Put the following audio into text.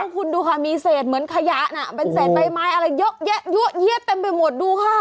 คุณดูค่ะมีเสร็จเหมือนขยะน่ะเป็นเสร็จใบไม้อะไรเย็ดเต็มไปหมดดูค่ะ